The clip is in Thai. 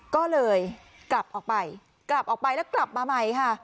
ก็เลยกลับออกไปกลับออกไปแล้วกลับมาใหม่ค่ะ